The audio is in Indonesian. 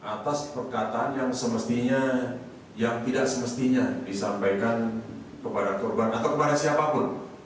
atas perkataan yang semestinya yang tidak semestinya disampaikan kepada korban atau kepada siapapun